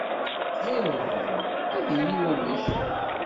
Tɣilleḍ dɣa ad yili wamek?